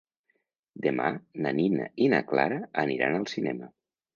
Demà na Nina i na Clara aniran al cinema.